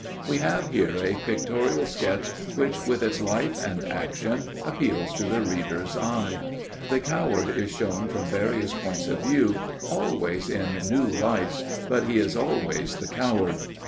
We have here a pictorial sketch which, with its life and action, appeals to the reader's eye. The coward is shown from various points of view, always in new lights, but he is always the coward.